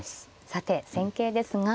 さて戦型ですが。